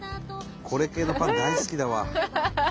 これ系のパン大好きだわ。